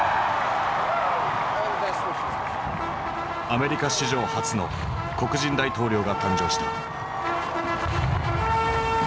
アメリカ史上初の黒人大統領が誕生した。